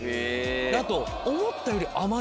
あと思ったより。